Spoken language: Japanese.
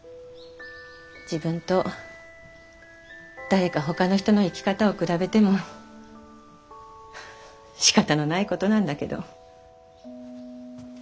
自分と誰かほかの人の生き方を比べてもしかたのないことなんだけど。